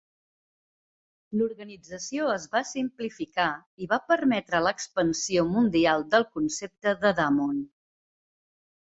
L'organització es va simplificar i va permetre l'expansió mundial del concepte de Damon.